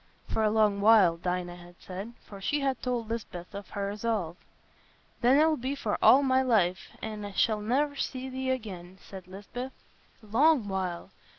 "For a long while," Dinah had said, for she had told Lisbeth of her resolve. "Then it'll be for all my life, an' I shall ne'er see thee again," said Lisbeth. "Long while!